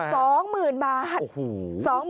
เท่าไรฮะโอ้โห